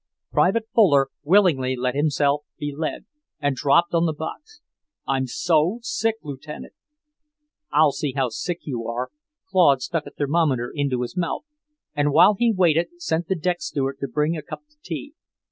Private Fuller willingly let himself be led, and dropped on the box. "I'm so sick, Lieutenant!" "I'll see how sick you are." Claude stuck a thermometer into his mouth, and while he waited, sent the deck steward to bring a cup of tea.